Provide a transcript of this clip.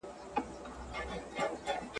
پر پردي ولات اوسېږم له اغیار سره مي ژوند دی !.